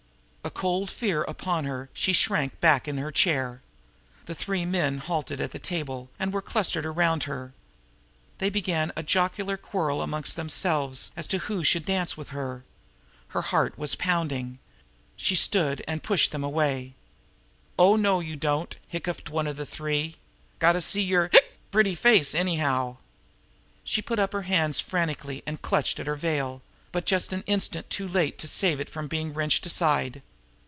A cold fear upon her, she shrank back in her chair. The three men had halted at the table, and were clustered around her. They began a jocular quarrel amongst themselves as to who should dance with her. Her heart was pounding. She stood up, and pushed them away. "Oh, no, you don't!" hiccoughed one of the three. "Gotta see your hic! pretty face, anyhow!" She put up her hands frantically and clutched at her veil but just an instant too late to save it from being wrenched aside.